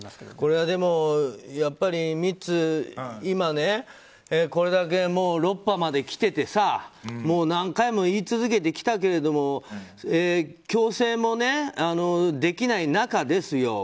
でも、これはやっぱりミッツ今、これだけ６波まで来ててさ何回も言い続けてきたけれども強制もできない中ですよ